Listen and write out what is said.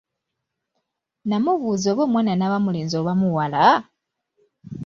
Namubuza oba omwana anaba mulenzi oba muwala?